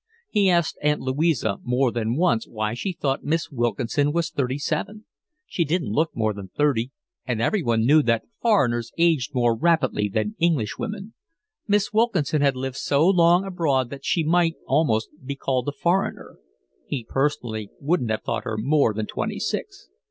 He asked Aunt Louisa more than once why she thought Miss Wilkinson was thirty seven: she didn't look more than thirty, and everyone knew that foreigners aged more rapidly than English women; Miss Wilkinson had lived so long abroad that she might almost be called a foreigner. He personally wouldn't have thought her more than twenty six.